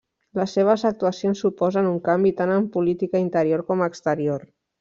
Les seves actuacions suposen un canvi tant en política interior com exterior.